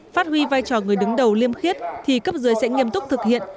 phát huy vai trò người đứng đầu liêm khiết thì cấp dưới sẽ nghiêm túc thực hiện